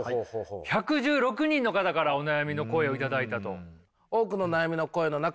１１６人の方からお悩みの声を頂いたと。